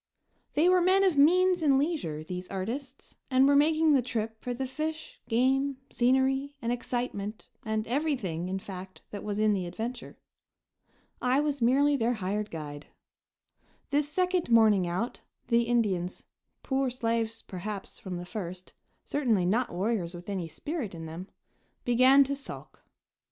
They were men of means and leisure, these artists, and were making the trip for the fish, game, scenery and excitement and everything, in fact, that was in the adventure. I was merely their hired guide. This second morning out, the Indians poor slaves, perhaps, from the first, certainly not warriors with any spirit in them began to sulk.